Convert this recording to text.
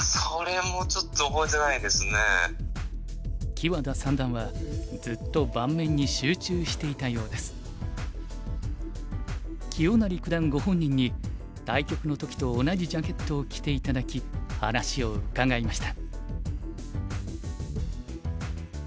木和田三段はずっと清成九段ご本人に対局の時と同じジャケットを着て頂き話を伺いました。